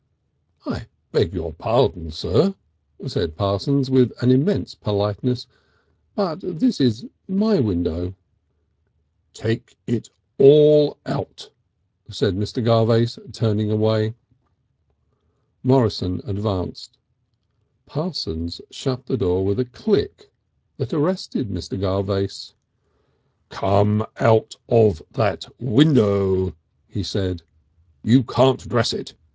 "I beg your pardon, Sir," said Parsons with an immense politeness, "but this is my window." "Take it all out," said Mr. Garvace, turning away. Morrison advanced. Parsons shut the door with a click that arrested Mr. Garvace. "Come out of that window," he said. "You can't dress it.